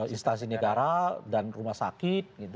instansi negara dan rumah sakit